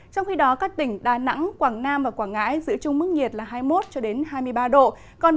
trong khi đó các tỉnh đà nẵng quảng nam và quảng ngãi giữ chung mức nhiệt là hai mươi một hai mươi ba độ